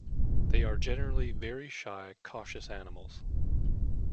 They are generally very shy, cautious animals.